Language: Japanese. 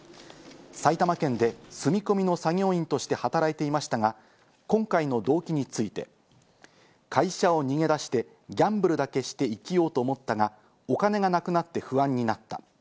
埼玉県で住み込みの作業員として働いていましたが、今回の動機について、会社を逃げ出してギャンブルだけして生きようと思ったが、お金がなくなって不安になった。